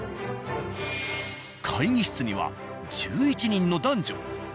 会議室には１１人の男女。